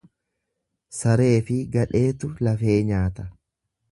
Sareefi gadheetu lafee nyaata.